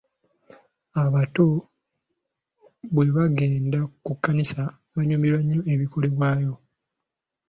Abato bwe bagenda ku kkanisa banyumirwa nnyo ebikolebwayo.